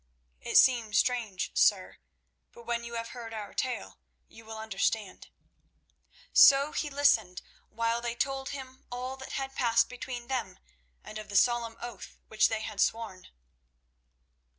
"It seems strange, sir; but when you have heard our tale you will understand." So he listened while they told him all that had passed between them and of the solemn oath which they had sworn.